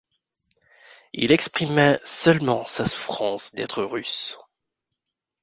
Il exprimait seulement sa souffrance d'être russe.